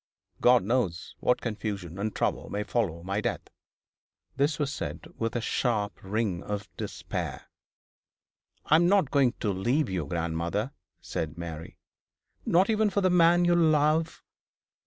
God knows what confusion and trouble may follow my death.' This was said with a sharp ring of despair. 'I am not going to leave you, grandmother,' said Mary. 'Not even for the man you love?